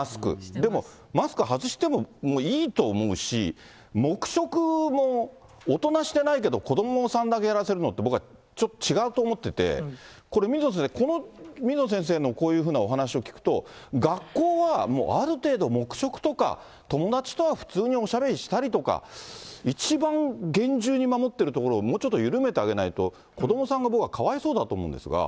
でもマスク外しても、もういいと思うし、黙食も、おとなしてないけと、子どもさんだけやらせるのって、僕はちょっと違うと思ってて、これ、水野先生、水野先生のこういうふうなお話を聞くと、学校はもうある程度、黙食とか、友達とは普通におしゃべりしたりとか、一番厳重に守ってるところを、もうちょっと緩めてあげないと、子どもさんが僕はかわいそうだと思うんですが。